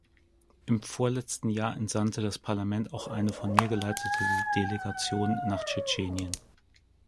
Im vorletzten Jahr entsandte das Parlament auch eine von mir geleitete Delegation nach Tschetschenien.